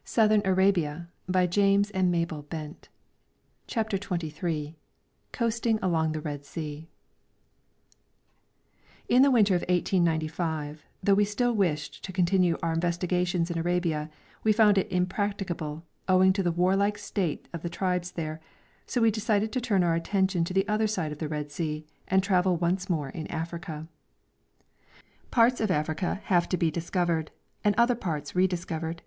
] AN AFRICAN INTERLUDE: THE EASTERN SOUDAN CHAPTER XXIII COASTING ALONG THE RED SEA In the winter of 1895, though we still wished to continue our investigations in Arabia, we found it impracticable, owing to the warlike state of the tribes there, so we decided to turn our attention to the other side of the Red Sea, and travel once more in Africa. Parts of Africa have to be discovered and other parts rediscovered.